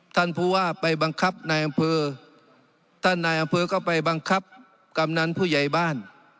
ท่านผู้ว่าไปบังคับนายอำเภอท่านนายอำเภอก็ไปบังคับกำนันผู้ใหญ่บ้าน